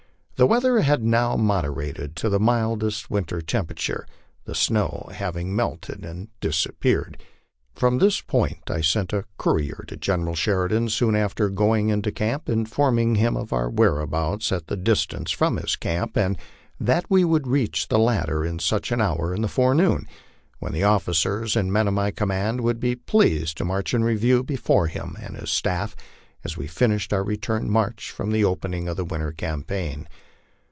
The weather had now moderated to the mildest winter temperature, the snow having melted and disappeared. From this point I sent a courier to General Sheridan soon after going into camp, informing him of our whereabouts and the distance from his camp, and that we would reach the latter at such an hour in the forenoon, when the offi cers and men of my command would be pleased to march in review before him and his staff as we finished our return march from the opening of the winter campaign.